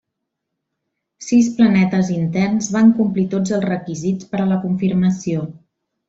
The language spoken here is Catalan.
Sis planetes interns van complir tots els requisits per a la confirmació.